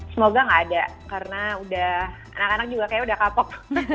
semoga gak ada karena udah anak anak juga kayaknya udah kapok